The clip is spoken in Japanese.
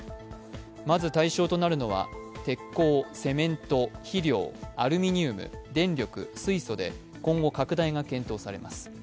まず対象となるのは鉄鋼セメント、肥料、アルミニウム、電力、水素で今後拡大が検討されます。